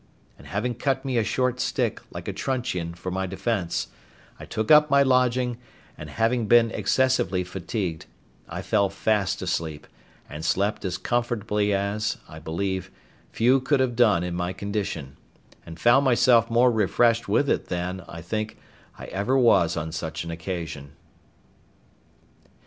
And having cut me a short stick, like a truncheon, for my defence, I took up my lodging; and having been excessively fatigued, I fell fast asleep, and slept as comfortably as, I believe, few could have done in my condition, and found myself more refreshed with it than, I think, I ever was on such an occasion.